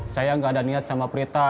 saya nggak ada niat sama prita